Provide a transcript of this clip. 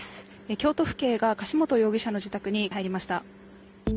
京都府警が柏本容疑者の自宅に入りました。